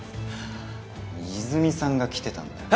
泉さんが来てたんだよ。